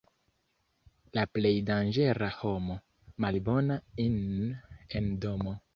La plej danĝera homo — malbona in' en domo.